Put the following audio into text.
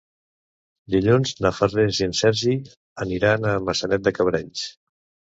Dilluns na Farners i en Sergi aniran a Maçanet de Cabrenys.